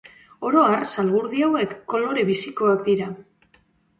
Oro har zalgurdi hauek kolore bizikoak dira.